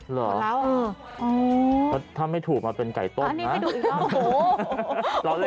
เหรอถ้าไม่ถูกมาเป็นไก่ต้นนะโอ้โหร้อนเล่น